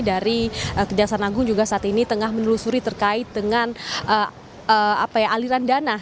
dari kejaksaan agung juga saat ini tengah menelusuri terkait dengan aliran dana